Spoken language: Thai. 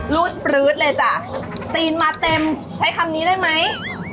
รูดปลื๊ดเลยจ้ะตีนมาเต็มใช้คำนี้ได้ไหม